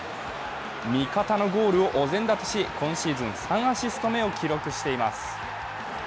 味方のゴールをお膳立てし今シーズン３アシスト目を記録しています。